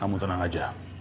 kamu tenang aja